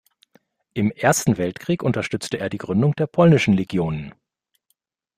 Im Ersten Weltkrieg unterstützte er die Gründung der Polnischen Legionen.